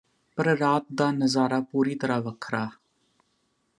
ਪਰ ਰਾਤ ਦਾ ਨਜ਼ਾਰਾ ਪੂਰੀ ਤਰ੍ਹਾਂ ਵੱਖਰਾ